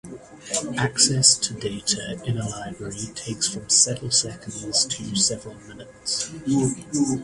Access to data in a library takes from several seconds to several minutes.